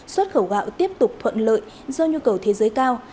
xuất khẩu gạo tiếp tục thuận lợi do nhu cầu thế giới cao